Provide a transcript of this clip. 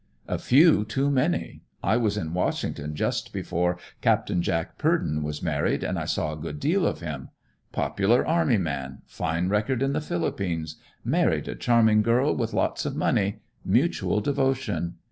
"A few too many. I was in Washington just before Captain Jack Purden was married and I saw a good deal of him. Popular army man, fine record in the Philippines, married a charming girl with lots of money; mutual devotion.